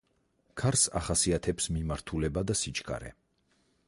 ქარს ახასითებს მიმართულება და სიჩქარე.